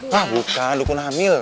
hah bukan dukun hamil